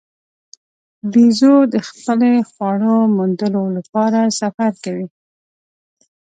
بیزو د خپلې خواړو موندلو لپاره سفر کوي.